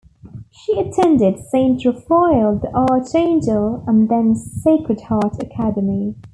She attended Saint Raphael the Archangel and then Sacred Heart Academy.